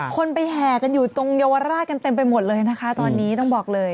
คนไปแห่กันอยู่ตรงเยาวราชกันเต็มไปหมดเลยนะคะตอนนี้ต้องบอกเลย